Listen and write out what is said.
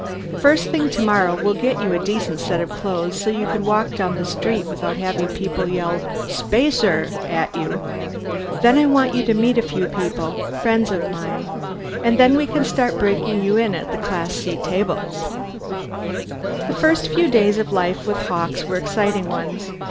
First thing tomorrow we'll get you a decent set of clothes, so you can walk down the street without having people yell 'Spacer!' at you. Then I want you to meet a few people friends of mine. And then we start breaking you in at the Class C tables." The first few days of life with Hawkes were exciting ones.